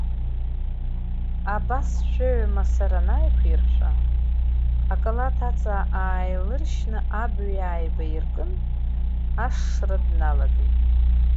Абас жәаҩа масар анааиқәиршәа, акалаҭ аҵа ааилыршьны абаҩ ааибаиркын, ашшра дналагеит.